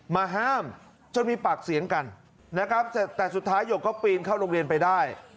มาห้ามจนมีปากเสียงกันนะครับแต่สุดท้ายหยกก็ปีนเข้าโรงเรียนไปได้